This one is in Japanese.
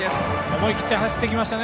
思い切って走ってきました。